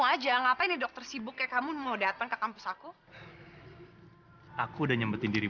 sejauhortnya carson layton memang sudah bisa mengalami ketsatu beberapa tahun ini